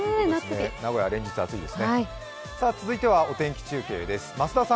名古屋は連日暑いですね。